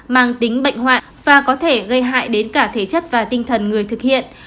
mang tính bệnh hoạn và có thể gây hại đến cả thể chất và tinh thần người thực hiện